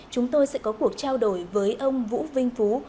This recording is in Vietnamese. chúng tôi sẽ có cuộc trao đổi với ông vũ vinh phú